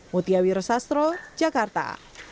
mutiawi rosastro jakarta